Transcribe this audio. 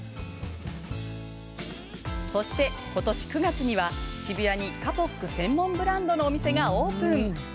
そして今年９月には渋谷にカポック専門ブランドのお店がオープン。